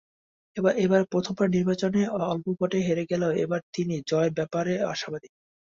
প্রথমবার নির্বাচনে অল্প ভোটে হেরে গেলেও এবার তিনি জয়ের ব্যাপারে আশাবাদী।